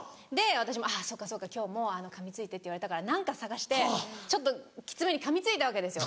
私もあぁそうかそうか今日もかみついてって言われたから何か探してちょっときつめにかみついたわけですよ。